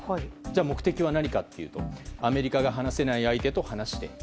目的は何かというとアメリカが話せない相手と話している。